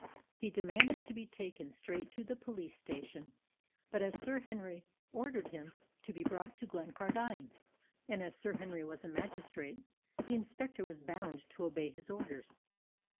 He demanded to be taken straight to the police station; but as Sir Henry had ordered him to be brought to Glencardine, and as Sir Henry was a magistrate, the inspector was bound to obey his orders.